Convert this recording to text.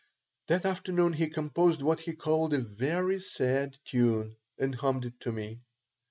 That afternoon he composed what he called a "very sad tune," and hummed it to me.